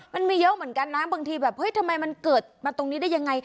มันมีเยอะเหมือนกันนะบางทีแบบเฮ้ยทำไมมันเกิดมาตรงนี้ได้ยังไง